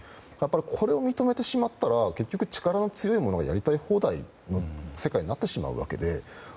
これを認めてしまったら結局、力の強いものがやりたい放題の世界になってしまうわけで。